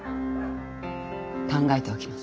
考えておきます。